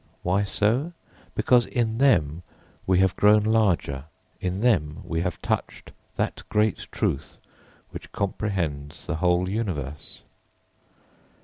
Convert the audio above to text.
Why so? Because in them we have grown larger, in them we have touched that great truth which comprehends the whole universe.